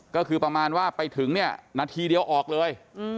ก็คือประมาณว่าไปถึงเนี่ยนาทีเดียวออกเลย